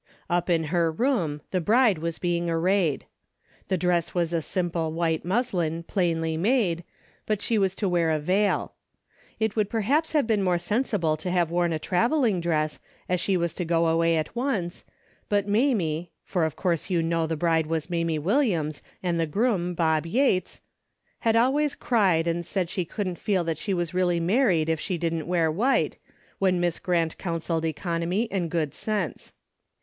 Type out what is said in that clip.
Up in her room the bride was being arrayed. The dress was a simple white muslin plainly made, but she was to wear a veil. It would perhaps have been more sensible to have worn a traveling dress, as she was to go away at once, but Mamie (for of course you know the bride was Mamie Williams, and the groom Bob Yates) had always cried and said she shouldn't feel that she was really married if she didn't wear white, when Miss Grant coun seled economy and good sense.